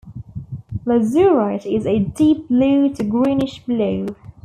Lazurite is a deep blue to greenish blue.